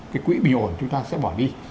cái quỹ bình ổn chúng ta sẽ bỏ đi